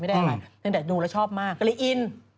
ได้อะไรตั้งแต่ดูแล้วชอบมากก็เลยอิน